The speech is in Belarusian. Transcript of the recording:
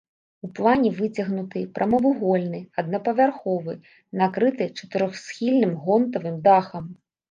У плане выцягнуты, прамавугольны, аднапавярховы, накрыты чатырохсхільным гонтавым дахам.